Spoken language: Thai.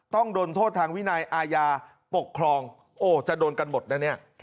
ต้องโดนโทษทางวินัยอาญาปกครองโอ้จะโดนกันหมดนะเนี่ย